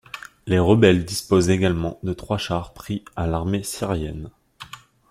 Les rebelles disposent également de trois chars pris à l'armée syrienne.